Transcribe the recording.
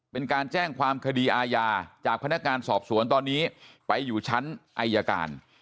เป็นการแจ้งความคดีอาญาจากพนักงานสอบสวนตอนนี้ไปอยู่ชั้นอายการ